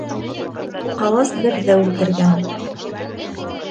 Ҡылыс берҙе үлтергән